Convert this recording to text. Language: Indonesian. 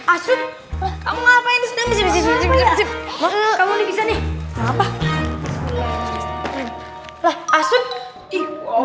asyik kamu ngapain disini